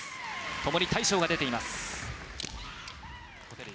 ともに大将が出ています。